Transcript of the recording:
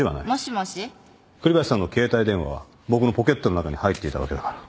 栗林さんの携帯電話は僕のポケットの中に入っていたわけだから。